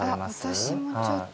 私もちょっと。